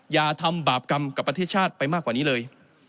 อย่าทำบาปกรรมกับประเทศชาติไปมากกว่านี้เลย